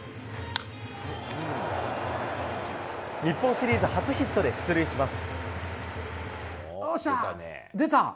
日本シリーズ初ヒットで出塁します。